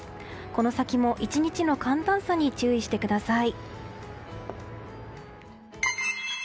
この先も１日の寒暖差に注意してください。